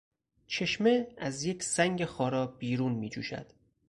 چشمه از یک سنگ خارا بیرون میجوشد.